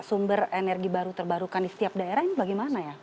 sumber energi baru terbarukan di setiap daerah ini bagaimana ya